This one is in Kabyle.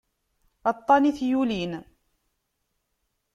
Aṭṭan i t-yulin.